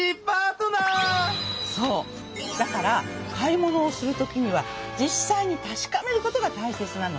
だから買い物をするときには実際に確かめることがたいせつなのね。